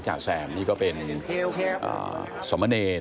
ช่วยเวลาบันดาลทักเวลา